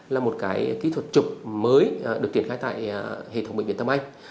là một cái kỹ thuật trục mới được triển khai tại hệ thống bệnh viện tâm anh